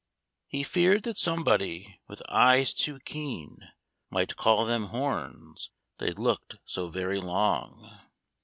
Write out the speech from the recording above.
He feared that somebody, with eyes too keen, Might call them horns, they looked so very long.